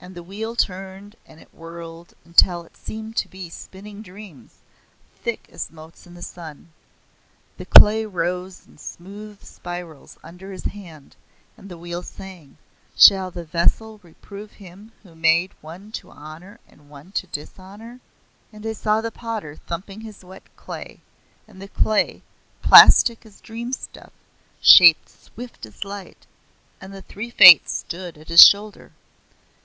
And the wheel turned and whirled until it seemed to be spinning dreams, thick as motes in the sun. The clay rose in smooth spirals under his hand, and the wheel sang, 'Shall the vessel reprove him who made one to honour and one to dishonour?' And I saw the potter thumping his wet clay, and the clay, plastic as dream stuff, shaped swift as light, and the three Fates stood at his shoulder.